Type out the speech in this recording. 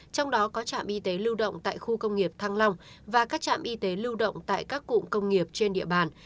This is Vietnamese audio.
trong đó có trạm y tế lưu động tại khu công nghiệp thăng long và các trạm y tế lưu động tại các cụm công nghiệp trên địa bàn